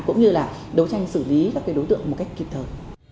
cũng như là đấu tranh xử lý các đối tượng một cách kịp thời